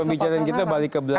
pembicaraan kita balik ke belakang